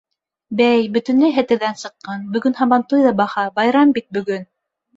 Бәй, бөтөнләй хәтерҙән сыҡҡан: бөгөн һабантуй ҙа баһа, байрам бит бөгөн!